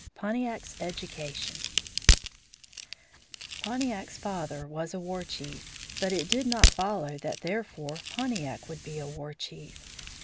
III. PONTIAC'S EDUCATION Pontiac's father was a war chief. But it did not follow that therefore Pontiac would be a war chief.